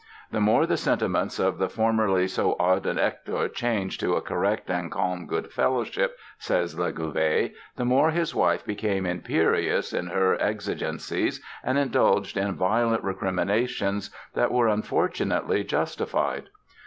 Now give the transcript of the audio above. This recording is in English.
The more the sentiments of the formerly so ardent Hector "changed to a correct and calm good fellowship", says Legouvé, "the more his wife became imperious in her exigencies and indulged in violent recriminations that were unfortunately justified.